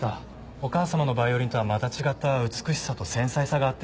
お母様のヴァイオリンとはまた違った美しさと繊細さがあって。